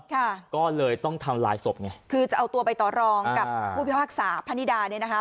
ค่ะก็เลยต้องทำลายศพไงคือจะเอาตัวไปต่อรองกับผู้พิพากษาพนิดาเนี่ยนะคะ